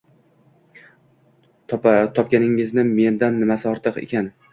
Topganingizni mendan nimasi ortiq ekan